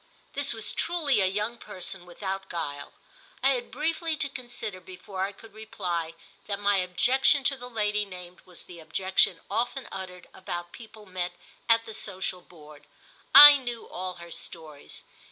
This was truly a young person without guile. I had briefly to consider before I could reply that my objection to the lady named was the objection often uttered about people met at the social board—I knew all her stories.